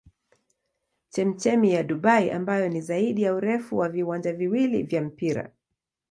Chemchemi ya Dubai ambayo ni zaidi ya urefu wa viwanja viwili vya mpira.